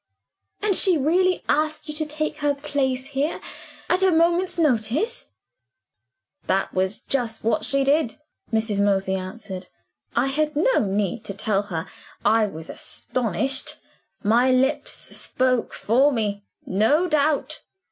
"And she really asked you to take her place here, at a moment's notice?" "That was just what she did," Mrs. Mosey answered. "I had no need to tell her I was astonished; my lips spoke for me, no doubt.